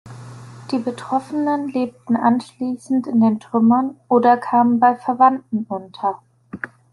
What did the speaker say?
Die Betroffenen lebten anschließend in den Trümmern oder kamen bei Verwandten unter.